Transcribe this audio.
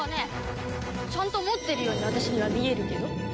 ちゃんと持ってるように私には見えるけど？